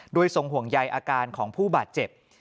โดยทรงห่วงใยอาการของผู้บาดเจ็บ